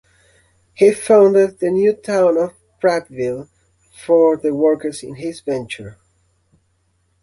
He founded the new town of Prattville for the workers in his venture.